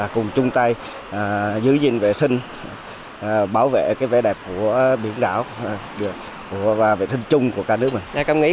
cùng chung tay giữ gìn vệ sinh bảo vệ vẻ đẹp của biển đảo và vệ tinh chung của cả nước